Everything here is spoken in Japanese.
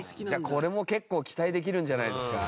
これも結構期待できるんじゃないですか？